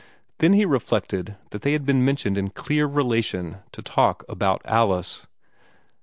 Then he reflected that they had been mentioned in clear relation to talk about Alice.